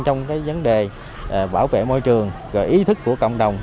trong cái vấn đề bảo vệ môi trường và ý thức của cộng đồng